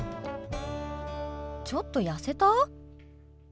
ちょっと痩せた？